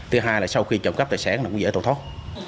thứ hai là sau khi trộm cắp tài sản là cũng dễ tổn thốt